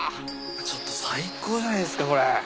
ちょっと最高じゃないですかこれ。